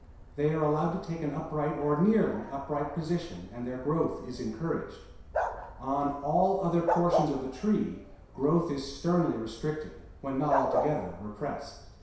They are allowed to take an upright or nearly upright position and their growth is encouraged. On all other portions of the tree growth is sternly restricted, when not altogether repressed.